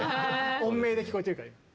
音名で聞こえてるから今。